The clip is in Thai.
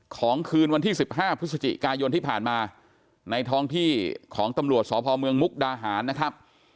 คืนวันที่๑๕พฤศจิกายนที่ผ่านมาในท้องที่ของตำรวจสพเมืองมุกดาหารนะครับ